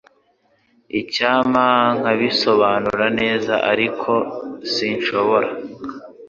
Icyampa nkabisobanura neza ariko sinshobora